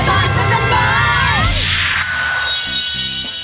ไอ้ต้อธิบาย